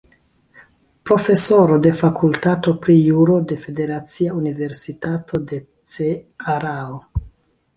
Profesoro de Fakultato pri Juro de Federacia Universitato de Cearao.